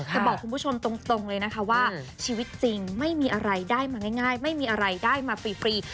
แต่บอกคุณผู้ชมตรงเลยนะคะว่าชีวิตจริงไม่มีอะไรได้มาง่ายไม่มีอะไรได้มาฟรี